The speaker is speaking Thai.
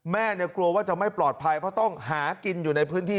กลัวว่าจะไม่ปลอดภัยเพราะต้องหากินอยู่ในพื้นที่